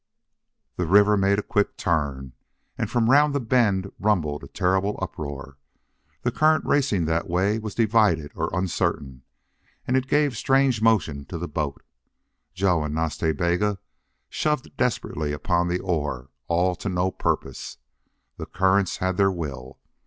The river made a quick turn and from round the bend rumbled a terrible uproar. The current racing that way was divided or uncertain, and it gave strange motion to the boat. Joe and Nas Ta Bega shoved desperately upon the oar, all to no purpose. The currents had their will.